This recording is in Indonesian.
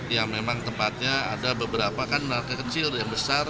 yang memang tempatnya ada beberapa kan narko kecil yang besar